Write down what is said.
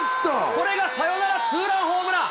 これがサヨナラツーランホームラン。